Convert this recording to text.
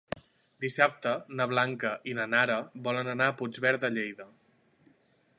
Dissabte na Blanca i na Nara volen anar a Puigverd de Lleida.